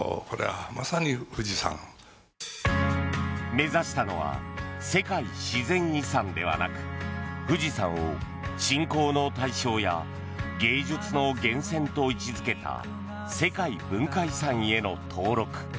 目指したのは世界自然遺産ではなく富士山を信仰の対象や芸術の源泉と位置付けた世界文化遺産への登録。